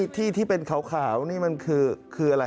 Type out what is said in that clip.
ที่เป็นขาวนี่มันคืออะไร